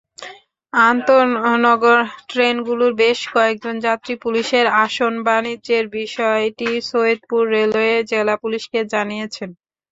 আন্তনগর ট্রেনগুলোর বেশ কয়েকজন যাত্রী পুলিশের আসন-বাণিজ্যের বিষয়টি সৈয়দপুর রেলওয়ে জেলা পুলিশকে জানিয়েছেন।